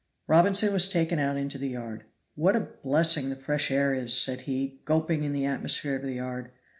Robinson was taken out into the yard. "What a blessing the fresh air is!" said he, gulping in the atmosphere of the yard.